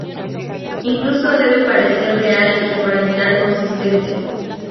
Incluso debe parecer real y aparentar consistente.